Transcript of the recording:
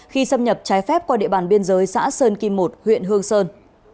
khi xâm nhập trái phép qua địa bàn biên giới xã sơn kim một huyện hương sơn